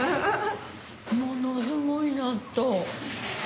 ものすごい納豆。